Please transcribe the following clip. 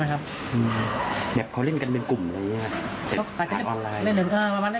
แต่เขาแล้นเกรกเนอะ๓๗กว่า